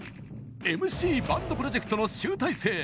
ＭＣバンドプロジェクトの集大成。